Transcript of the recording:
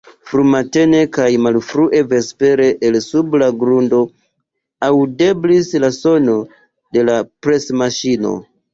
Frumatene kaj malfrue vespere el sub la grundo aŭdeblis la sono de la presmaŝino.